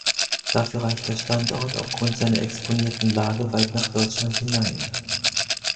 Dafür reicht der Standort aufgrund seiner exponierten Lage weit nach Deutschland hinein.